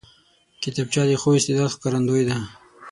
کتابچه د ښو استعداد ښکارندوی ده